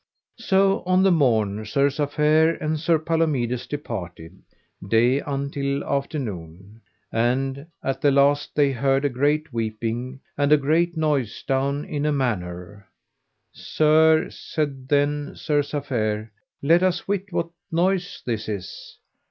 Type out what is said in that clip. So on the morn Sir Safere and Sir Palomides departed, day until after noon. And at the last they heard a great weeping and a great noise down in a manor. Sir, said then Sir Safere, let us wit what noise this is.